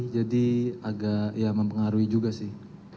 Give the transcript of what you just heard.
jadi agak ya mempengaruhi juga sih